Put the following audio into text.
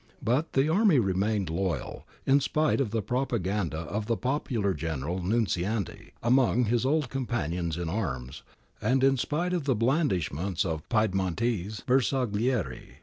But the army remained loyal, in spite of the propaganda of the popular general, Nunziante, among his old com panions in arms, and in spite of the blandishments of the Piedmontese Bersaglieri.